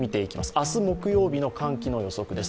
明日、木曜日の寒気の予測です。